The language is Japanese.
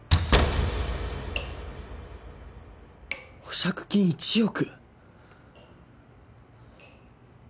保釈金１億！？